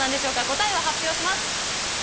答えを発表します。